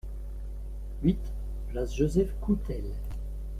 huit place Joseph Coutel